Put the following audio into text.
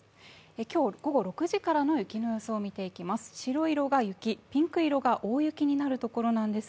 今日午後６時からの雪の予想を見ていきます。